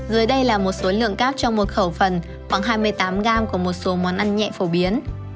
dưới đây là một số lượng cáp trong một khẩu phần khoảng hai mươi tám gram của một số món ăn nhẹ phổ biến